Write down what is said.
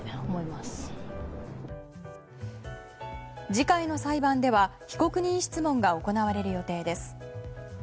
次回の裁判では被告人質問が行われる予定です。